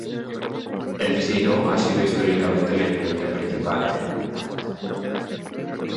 El chino ha sido históricamente la influencia principal en el vietnamita.